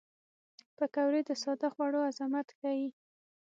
پکورې د ساده خوړو عظمت ښيي